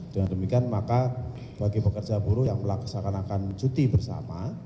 dengan demikian maka bagi pekerja buruh yang melaksanakan cuti bersama